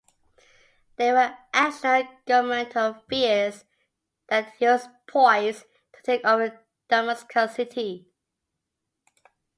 There were additional governmental fears that he was poised to take over Damascus city.